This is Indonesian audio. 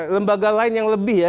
lembaga lain yang lebih ya